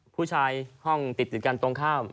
ผู้ชายห้องติดติดกันตรงข้าม